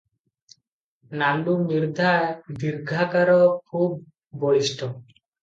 ନାଲୁ ମିର୍ଦ୍ଧା ଦୀର୍ଘାକାର ଖୁବ୍ ବଳିଷ୍ଠ ।